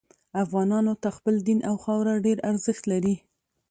افغانانو ته خپل دین او خاوره ډیر ارزښت لري